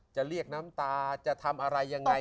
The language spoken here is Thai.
จะเรียกน้ำตาจะทำอะไรยังไง